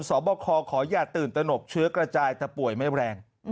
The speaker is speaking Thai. สอบคอขออย่าตื่นตนกเชื้อกระจายแต่ป่วยไม่แรง